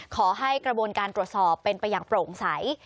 ขอให้กระบวนการตรวจสอบเป็นไปอย่างโปร่งใส